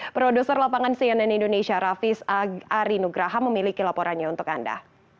produser lapangan cnn indonesia raffis arinugraha memiliki laporannya untuk anda